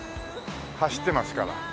走ってますから。